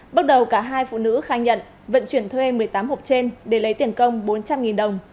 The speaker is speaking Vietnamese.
bước đầu cả hai phụ nữ khai nhận vận chuyển thuê một mươi tám hộp trên để lấy tiền công bốn trăm linh đồng